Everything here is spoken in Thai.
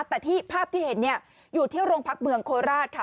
แต่ที่ภาพที่เห็นเนี่ยอยู่ที่โรงพักเมืองโคราชค่ะ